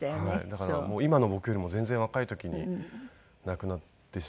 だから今の僕よりも全然若い時に亡くなってしまって。